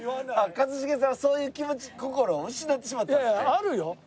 一茂さんはそういう気持ち心を失ってしまったんですね。